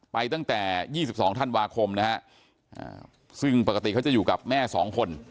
ไปตั้งแต่ยี่สิบสองธันวาคมนะฮะอ่าซึ่งปกติเขาจะอยู่กับแม่สองคน